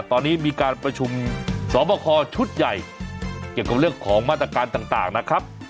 ตอนนี้มีการประชุมสอบคอชุดใหญ่เกี่ยวกับเรื่องของมาตรการต่างนะครับ